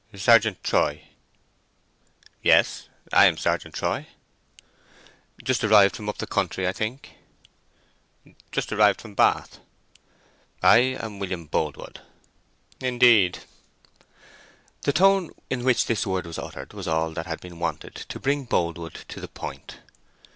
"Sergeant Troy?" "Yes—I'm Sergeant Troy." "Just arrived from up the country, I think?" "Just arrived from Bath." "I am William Boldwood." "Indeed." The tone in which this word was uttered was all that had been wanted to bring Boldwood to the point.